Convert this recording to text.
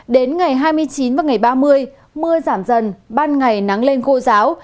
đến ngày hai mươi chín và ngày ba mươi mưa giảm dần ban ngày nắng lên khô giáo